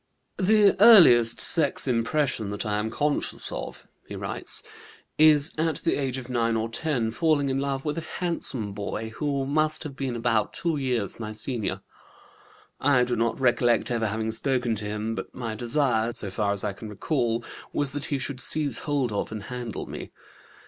"The earliest sex impression that I am conscious of," he writes, "is at the age of 9 or 10 falling in love with a handsome boy who must have been about two years my senior. I do not recollect ever having spoken to him, but my desire, so far as I can recall, was that he should seize hold of and handle me.